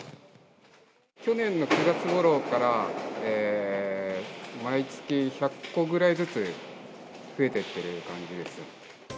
去年の９月ごろから、毎月１００個ぐらいずつ増えていってる感じです。